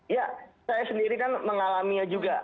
ya saya sendiri kan mengalaminya juga